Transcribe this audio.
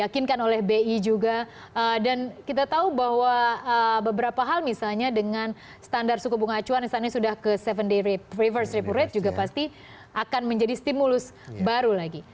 kita tahu bahwa beberapa hal misalnya dengan standar suku bunga acuan misalnya sudah ke tujuh day reverse repo rate juga pasti akan menjadi stimulus baru lagi